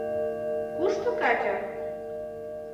Кушто Катя?